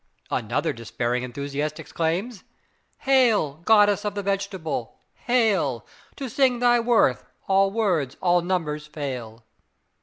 Another despairing enthusiast exclaims: "Hail, goddess of the vegetable, hail! To sing thy worth, all words, all numbers, fail!"